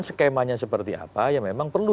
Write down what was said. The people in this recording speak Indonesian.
skemanya seperti apa ya memang perlu